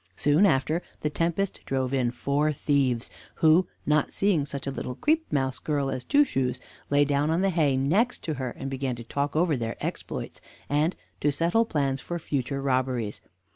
Soon after, the tempest drove in four thieves, who not seeing such a little creep mouse girl as Two Shoes, lay down on the hay next to her, and began to talk over their exploits, and to settle plans for future robberies.